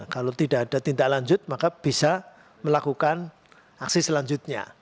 kalau tidak ada tindak lanjut maka bisa melakukan aksi selanjutnya